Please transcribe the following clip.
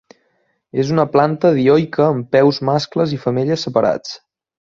És una planta dioica amb peus mascles i femelles separats.